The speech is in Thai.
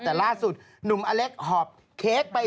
แต่ล่าสุดหนุ่มอเล็กหอบเค้กไป